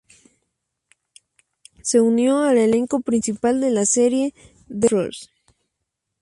Se unió al elenco principal de la serie "The Blue Rose".